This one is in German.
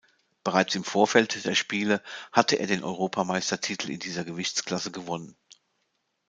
Bereits im Vorfeld der Spiele hatte er den Europameistertitel in dieser Gewichtsklasse gewonnen.